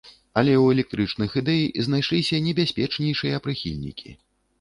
Але ў электрычных ідэй знайшліся небяспечнейшыя прыхільнікі.